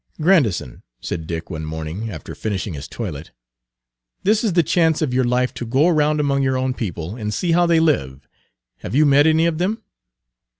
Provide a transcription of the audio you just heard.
"Grandison," said Dick one morning, after finishing his toilet, "this is the chance of your life to go around among your own people and see how they live. Have you met any of them?"